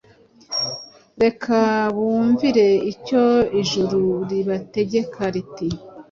Reka bumvire icyo ijuru ribategeka riti,